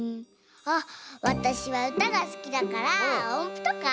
あっわたしはうたがすきだからおんぷとか？